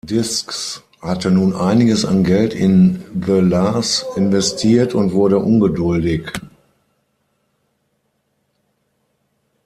Discs hatte nun einiges an Geld in The La’s investiert und wurde ungeduldig.